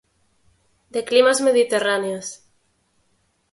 De climas mediterráneos.